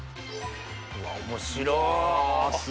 うわ面白っ！